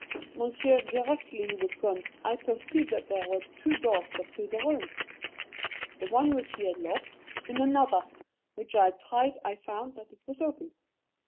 Monsieur, directly he was gone, I perceived that there were two doors to the room the one which he had locked, and another, which I tried I found that it was open.